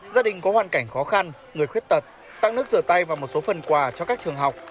gia đình có hoàn cảnh khó khăn người khuyết tật tặng nước rửa tay và một số phần quà cho các trường học